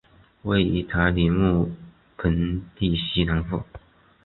位于塔里木盆地西南部。